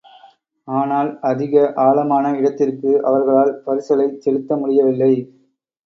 ஆனால், அதிக ஆழமான இடத்திற்கு அவர்களால் பரிசலைச் செலுத்த முடியவில்லை.